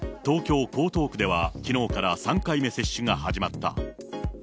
東京・江東区ではきのうから３回目接種が始まった。